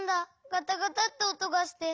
ガタガタっておとがして。